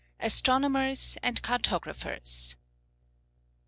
ASTRONOMERS AND CARTOGRAPHERS.